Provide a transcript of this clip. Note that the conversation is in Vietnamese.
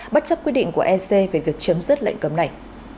bất chấp quyết định của ec về việc chấm dứt lệnh cấm này